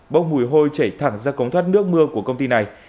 bốc mùi hôi chảy thẳng ra cống thoát nước mưa của công ty này